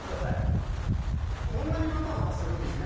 こんなにバタバタするんですね。